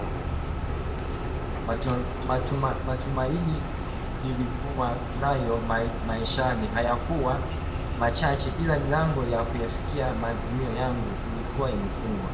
Matumaini niliyokuwa nayo maishani hayakuwa machache ila milango ya kuyafikia maazimio yangu ilikuwa imefungwa